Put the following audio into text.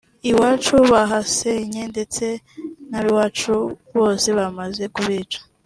iwacu bahasenye ndetse n’ab’iwacu bose bamaze kubica